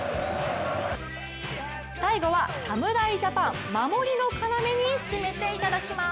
最後は侍ジャパン、守りの要に締めていただきます。